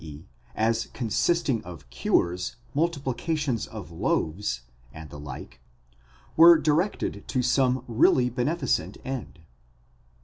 e. as consisting of cures, multi plications of loaves, and the like, were directed to some really beneficent end.